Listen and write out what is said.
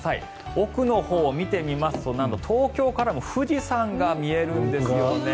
奥のほうを見てみますとなんと東京からも富士山が見えるんですよね。